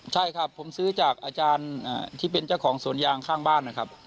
ใช่ครับผมซื้อจากอาจารย์ที่เป็นเจ้าของสวนยางข้างบ้านนะครับ